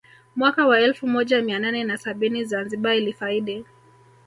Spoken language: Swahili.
Mwaka wa elfu moja mia nane na sabini Zanzibar ilifaidi